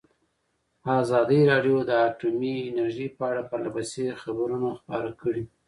ازادي راډیو د اټومي انرژي په اړه پرله پسې خبرونه خپاره کړي.